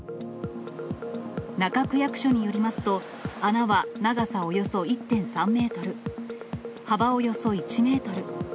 中区役所によりますと、穴は長さおよそ１．３メートル、幅およそ１メートル。